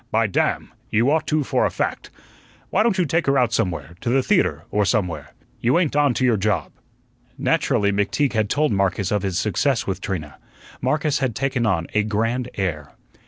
By damn! you ought to, for a fact. Why don't you take her out somewhere to the theatre, or somewhere? You ain't on to your job." Naturally, McTeague had told Marcus of his success with Trina. Marcus had taken on a grand air.